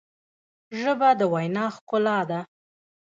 ژبه د وینا ښکلا ده.